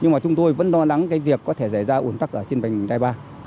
nhưng mà chúng tôi vẫn lo lắng cái việc có thể giải ra ồn tắc ở trên bành đai ba